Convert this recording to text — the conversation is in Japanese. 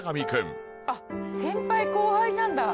先輩後輩なんだ。